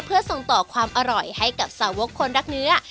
เพื่อส่งต่อความอร่อยให้กับสาวกคนรักเนื้อ